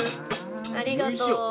ありがとう